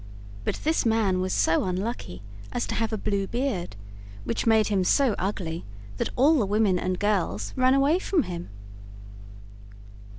But this man was so unlucky as to have a blue beard, which made him so ugly that all the women and girls ran away from him.